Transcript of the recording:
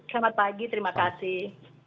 selamat pagi terima kasih